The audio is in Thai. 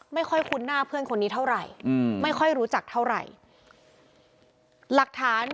ไม่ค่อยคุ้นหน้าเพื่อนคนนี้เท่าไหร่ไม่ค่อยรู้จักเท่าไหร่หลักฐาน